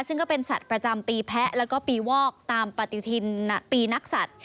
ซึ่งก็เป็นสัตว์ประจำปีแพ้แล้วก็ปีวอกตามปฏิทินปีนักศัตริย์